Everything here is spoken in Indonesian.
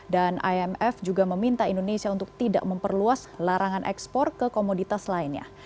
dan imf juga meminta indonesia untuk tidak memperluas larangan ekspor ke komoditas lainnya